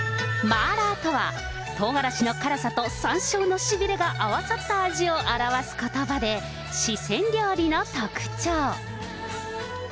マーラーとは、トウガラシの辛さとさんしょうのしびれが合わさった味を表すことばで、四川料理の特徴。